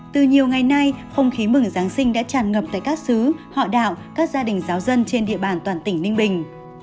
từ nhiều ngày nay không khí mừng giáng sinh đã tràn ngập tại các xứ họ đạo các gia đình giáo dân trên địa bàn toàn tỉnh ninh bình